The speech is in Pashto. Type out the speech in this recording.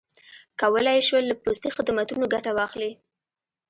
کولای یې شول له پوستي خدمتونو ګټه واخلي.